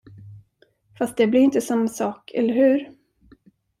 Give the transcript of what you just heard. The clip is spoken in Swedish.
Fast det blir ju inte samma sak, eller hur?